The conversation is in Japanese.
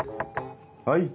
はい。